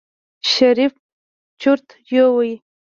شريف چورت يوړ.